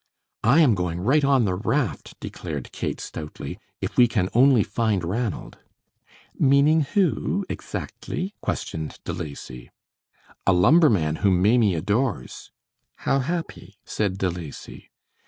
"I am going right on the raft," declared Kate, stoutly, "if we can only find Ranald." "Meaning who, exactly?" questioned De Lacy. "A lumberman whom Maimie adores." "How happy!" said De Lacy.